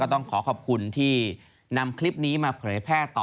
ต้องขอขอบคุณที่นำคลิปนี้มาเผยแพร่ต่อ